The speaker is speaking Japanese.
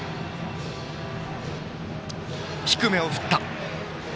低めを振った。